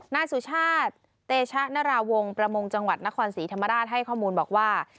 นายสุชาติเตชะนราวงศ์ประมงจังหวัดนครศรีธรรมราชให้ข้อมูลบอกว่า